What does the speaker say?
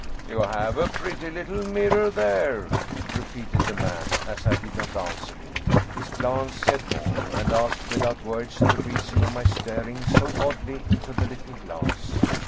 " You have a pretty little mirror there," repeated the man, as I did not answer him. His glance said more, and asked without words the reason of my staring so oddly into the little glass.